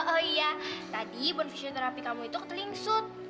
oh iya tadi bonfisioterapi kamu itu keteling sut